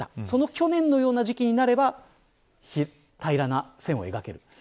その去年のような時期になれば平らな線を描ける。